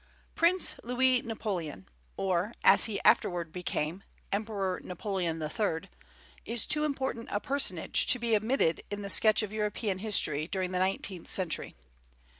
Prince Louis Napoleon, or, as he afterward became, Emperor Napoleon III., is too important a personage to be omitted in the sketch of European history during the nineteenth century.